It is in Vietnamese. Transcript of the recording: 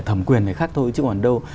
thẩm quyền này khác thôi chứ còn đâu